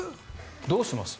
どうします？